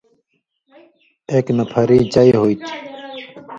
اېک نہ پھری چئ ہُوئ تُھو